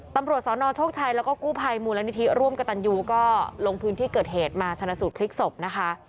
ตำรวจสนโชคชัยแล้วก็กู้ภัยมูลนิธิร่วมกับตันยูก็ลงพื้นที่เกิดเหตุมาชนะสูตรพลิกศพนะคะ